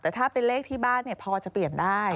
แต่ถ้าเป็นเลขที่บ้านพอจะเปลี่ยนได้